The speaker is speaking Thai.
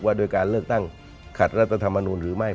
ด้วยการเลือกตั้งขัดรัฐธรรมนูลหรือไม่